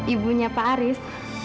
ibunya pak haris